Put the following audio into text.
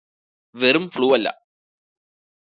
വെറും ഫ്ലൂവല്ല